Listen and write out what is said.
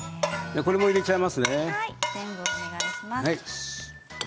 これも入れちゃいますね。